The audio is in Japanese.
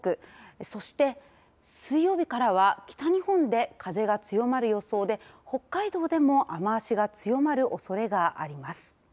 そして、水曜日からは北日本で風が強まる予想で北海道でも雨足が強まるおそれがあります。